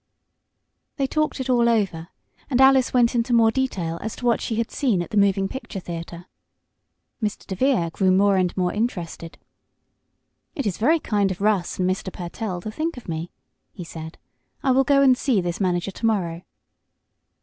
They talked it all over, and Alice went more into detail as to what she had seen at the moving picture theatre. Mr. DeVere grew more and more interested. "It is very kind of Russ and Mr. Pertell to think of me," he said. "I will go and see this manager to morrow."